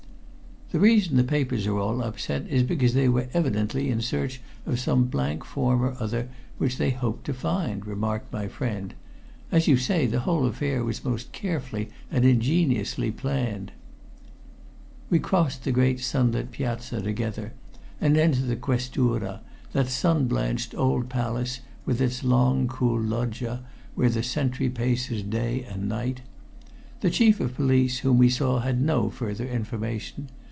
"The reason the papers are all upset is because they were evidently in search of some blank form or other, which they hoped to find," remarked my friend. "As you say, the whole affair was most carefully and ingeniously planned." We crossed the great sunlit piazza together and entered the Questura, that sun blanched old palace with its long cool loggia where the sentry paces day and night. The Chief of Police, whom we saw, had no further information.